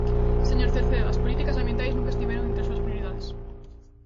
Señor Cerceda, as políticas ambientais nunca estiveron entre as súas prioridades.